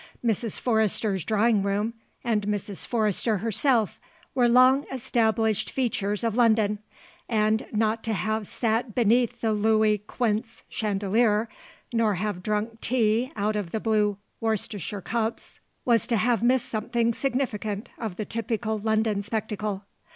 Mrs. Forrester's drawing room and Mrs. Forrester herself were long established features of London, and not to have sat beneath the Louis Quinze chandelier nor have drunk tea out of the blue Worcester cups was to have missed something significant of the typical London spectacle.